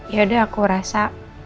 yaudah aku rasa